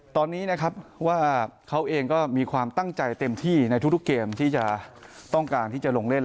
ตอนนี้นะครับว่าเขาเองก็มีความตั้งใจเต็มที่ในทุกเกมที่จะต้องการที่จะลงเล่น